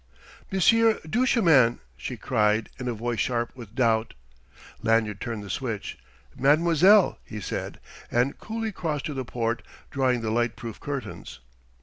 "Monsieur Duchemin!" she cried, in a voice sharp with doubt. Lanyard turned the switch. "Mademoiselle," he said, and coolly crossed to the port, drawing the light proof curtains.